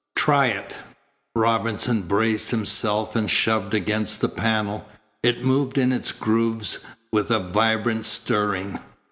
Try it." Robinson braced himself and shoved against the panel. It moved in its grooves with a vibrant stirring.